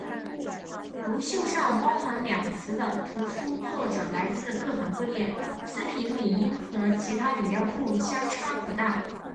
读秀上包含两词的图书作者来自各行各业，词频理应和其他语料库相差不大。